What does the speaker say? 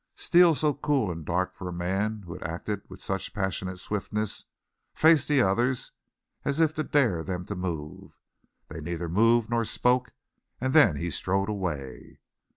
Steele, so cool and dark for a man who had acted with such passionate swiftness, faced the others as if to dare them to move. They neither moved nor spoke, and then he strode away.